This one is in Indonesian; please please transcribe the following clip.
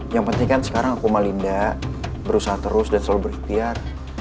yang penting kan sekarang aku malinda berusaha terus dan selalu berikhtiar